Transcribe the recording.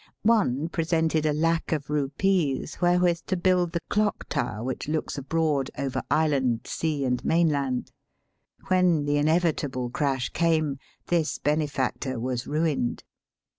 One presented a lac of rupees wherewith to build the clock tower which looks abroad over island, sea, and mainland. When the inevitable crash came, this benefactor was ruined.